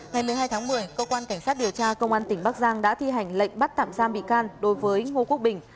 ngày một mươi hai tháng một mươi cơ quan cảnh sát điều tra công an tỉnh bắc giang đã thi hành lệnh bắt tạm giam bị can đối với ngô quốc bình